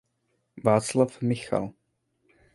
Václav Michal.